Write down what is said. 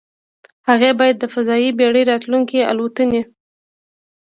هغې باید د فضايي بېړۍ راتلونکې الوتنې